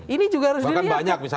ini juga harus dilihat